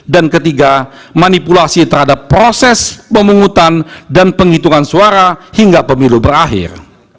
ketiga manipulasi terhadap proses pemungutan dan penghitungan suara hingga pemilu berakhir